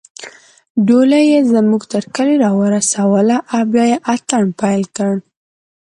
ډولۍ يې زموږ تر کلي راورسوله او بیا يې اتڼ پیل کړ